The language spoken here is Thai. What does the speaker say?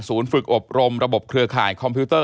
ฝึกอบรมระบบเครือข่ายคอมพิวเตอร์